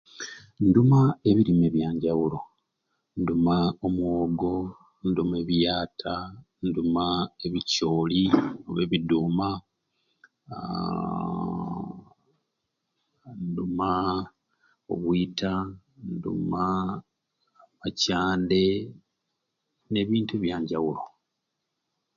Nduma ebirime ebyanjawulo, nduma omwogo, nduma ebiyata, nduma ebicooli oba ebiduuma, aaaahhhng nduma obwita, nduma amacande nebintu ebyanjawulo.